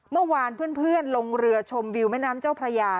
เมื่อวานเพื่อนลงเรือชมวิวแม่น้ำเจ้าพระยา